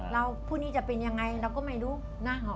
ผู้นี้จะเป็นยังไงเราก็ไม่รู้นะ